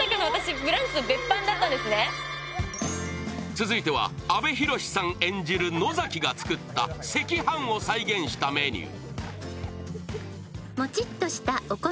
続いては、阿部寛さん演じる野崎が作った赤飯を再現したメニュー。